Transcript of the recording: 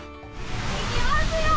いきますよ。